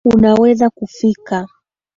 Unaweza kufika